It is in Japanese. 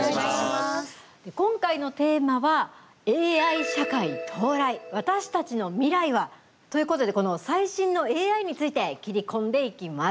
今回のテーマは「ＡＩ社会到来私たちの未来は？」ということでこの最新のＡＩについて切り込んでいきます。